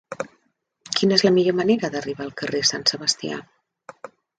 Quina és la millor manera d'arribar al carrer de Sant Sebastià?